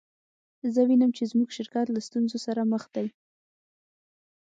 زه وینم چې زموږ شرکت له ستونزو سره مخ دی